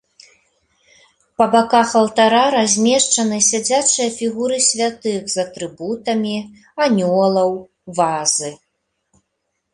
Па баках алтара размешчаны сядзячыя фігуры святых з атрыбутамі, анёлаў, вазы.